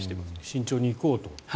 慎重に行こうと。